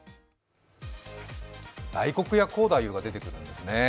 大黒屋光太夫が出てくるんですね。